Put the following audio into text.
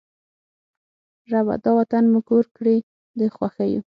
ربه! دا وطن مو کور کړې د خوښیو